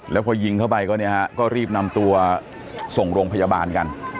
แล้วพอยิงเข้าไปก็เนี่ยฮะก็รีบนำตัวส่งโรงพยาบาลกัน